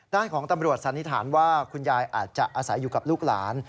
ด้านของตำรวจสันนิษฐานว่าคุณยายอาจจะอาศัยอยู่กับลูกหลาน